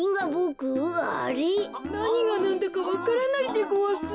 なにがなんだかわからないでごわす。